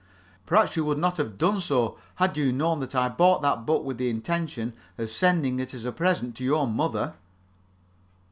Perhaps you would not have done so had you known that I bought that book with the intention of sending it as a present to your mother."